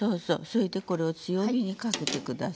それでこれを強火にかけて下さい。